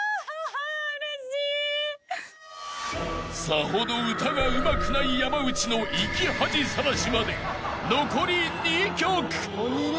［さほど歌がうまくない山内の生き恥さらしまで残り２曲］